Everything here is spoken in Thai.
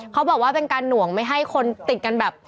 เขาบอกว่าเป็นการหน่วงไม่ให้คนติดกันแบบ